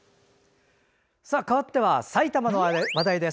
かわって、埼玉の話題です。